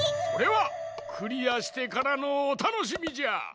それはクリアしてからのおたのしみじゃ！